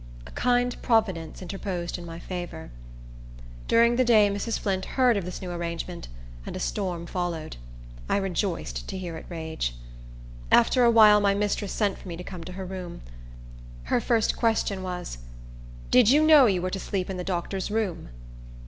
A kind Providence interposed in my favor. During the day Mrs. Flint heard of this new arrangement, and a storm followed. I rejoiced to hear it rage. After a while my mistress sent for me to come to her room. Her first question was, "Did you know you were to sleep in the doctor's room?"